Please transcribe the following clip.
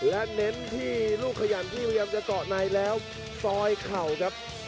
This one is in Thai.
และเน้นที่ลูกขยันที่พยายามจะเกาะในแล้วซอยเข่าครับ